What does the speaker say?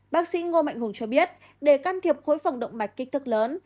bác sĩ ngô mạnh hùng cho biết để can thiệp khối phòng động mạch kích thước lớn